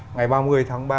ngày ba mươi tháng ba